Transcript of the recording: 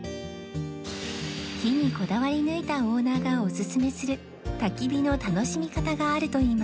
火にこだわり抜いたオーナーがおすすめする焚き火の楽しみ方があるといいます